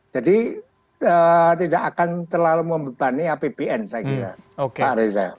jadi tidak akan terlalu membebani apbn saya kira pak reza